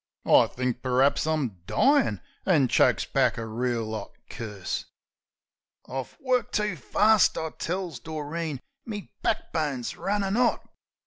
I thinks per'aps I'm dyin', an' chokes back a reel 'ot curse. "I've worked too fast," I tells Doreen. "Me back bone's runnin' 'ot.